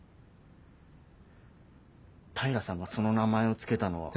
平さんがその名前を付けたのは。